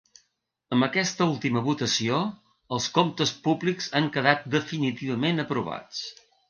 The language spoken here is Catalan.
Amb aquesta última votació, els comptes públics han quedat definitivament aprovats.